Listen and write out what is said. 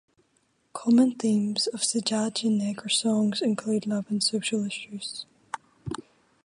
Common themes of Cidade Negra songs include love and social issues.